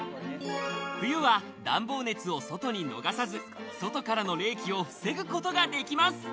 冬は暖房熱を外に逃がさず、外からの冷気を防ぐことができます。